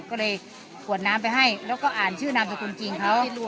ก็เลยกวดน้ำไปให้แล้วก็อ่านชื่อนามสกุลจริงเขา